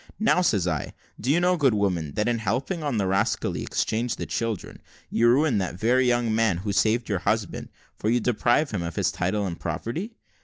`Now,' says I, `do you know, good woman, that in helping on the rascally exchange of children, you ruin that very young man who saved your husband, for you deprive him of his title and property?'